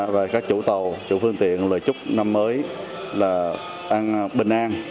và các chủ tàu chủ phương tiện lời chúc năm mới bình an